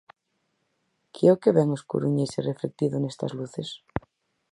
Que é o que ven os coruñeses reflectido nestas luces?